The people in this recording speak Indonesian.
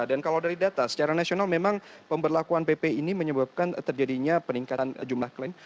dan kalau dari data secara nasional memang pemberlakuan pp ini menyebabkan terjadinya peningkatan jumlah klaim